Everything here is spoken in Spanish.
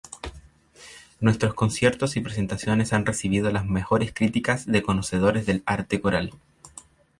Nuestros conciertos y presentaciones han recibido las mejores críticas de conocedores del arte coral.